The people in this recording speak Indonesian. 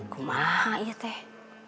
kumaha ya teh